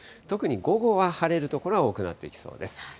特に午後は晴れる所が多くなっていきそうです。